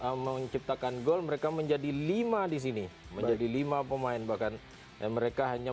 empat menyamakan menciptakan gol mereka menjadi lima disini menjadi lima pemain bahkan yang mereka hanya